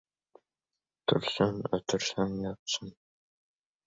Tursun, o‘tirsin, yotsin...